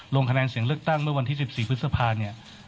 ลงคะแนนเสียงเลือกตั้งเมื่อวันที่๑๔พฤษภาเนี่ย